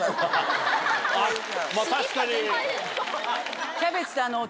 確かに。